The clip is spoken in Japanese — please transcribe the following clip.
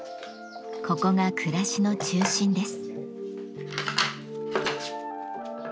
ここが暮らしの中心です。